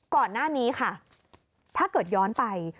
ก่อนหน้านี้ค่ะถ้าเกิดย้อนไป